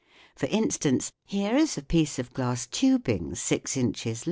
For instance, here is a piece of glass tubing six inches long, " v \